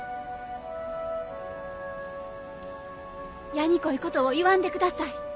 やにこいことを言わんでください。